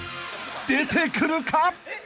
［出てくるか？］